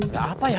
gak apa ya